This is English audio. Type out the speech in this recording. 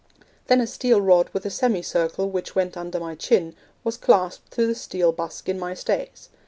Then a steel rod with a semicircle, which went under my chin, was clasped to the steel busk in my stays.